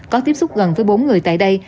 có tiếp xúc gần với bốn người tại đây